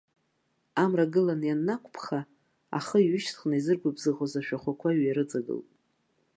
Амра гылан ианнақәыԥха, ахы ҩышьҭыхны изыргәабзыӷуаз ашәахәақәа иҩарыҵагылт.